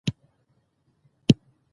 اميري چيري دئ؟